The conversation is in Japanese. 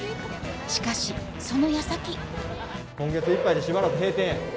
しかしそのやさき今月いっぱいでしばらく閉店や。